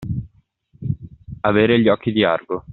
Avere gli occhi di Argo.